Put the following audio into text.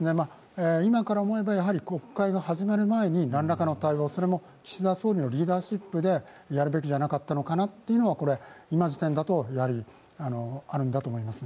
今から思えば、国会が始まる前になんらかの対応それも岸田総理のリーダーシップでやるべきじゃなかったのかなというのは、今時点だとあるんだと思います。